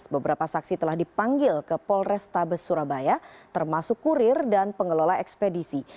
beberapa saksi telah dipanggil ke polrestabes surabaya termasuk kurir dan pengelola ekspedisi